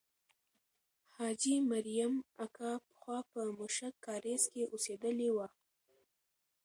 حاجي مریم اکا پخوا په موشک کارېز کې اوسېدلې وه.